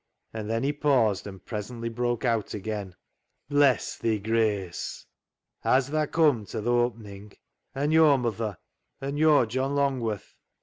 And then he paused, and presently broke out again —" Bless thi, Grace ! Has thaa come to th' oppenin' ? An' yo', muther ? An' yo', John Longworth